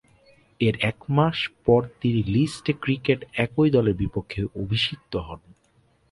এর একমাস পর তিনি লিস্ট এ ক্রিকেটে একই দলের বিপক্ষে অভিষিক্ত হন।